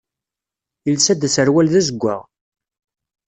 Yelsa-d aserwal d azeggaɣ.